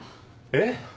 えっ？